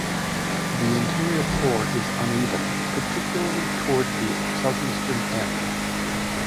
The interior floor is uneven, particularly toward the southeastern end.